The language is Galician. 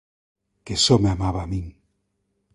Que só me amaba a min.